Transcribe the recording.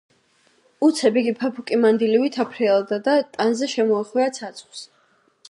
უცებ იგი ფაფუკი მანდილივით აფრიალდა და ტანზე შემოეხვია ცაცხვს.